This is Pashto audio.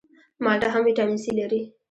مالټه هم ویټامین سي لري